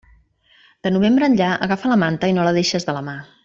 De novembre enllà, agafa la manta i no la deixes de la mà.